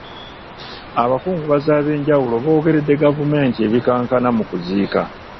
Abakungubazi ab’enjawulo boogeredde gavumenti ebikikinike mu kuziika.